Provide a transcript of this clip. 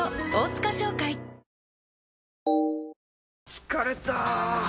疲れた！